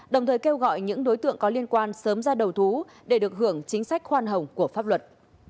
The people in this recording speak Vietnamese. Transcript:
đồng thời kêu gọi những đối tượng có liên quan sớm ra đầu thú để được hưởng chính sách khoan hồng của pháp luật